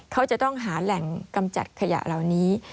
เขาจะต้องหาแหล่งกำจัดขยะเหล่านี้